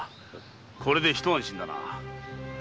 これでひと安心だな。